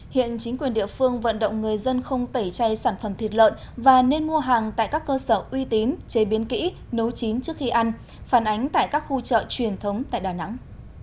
hiện chính quyền địa phương vận động người dân không tẩy chay sản phẩm thịt lợn và nên mua hàng tại các cơ sở uy tín chế biến kỹ nấu chín trước khi ăn phản ánh tại các khu chợ truyền thống tại đà nẵng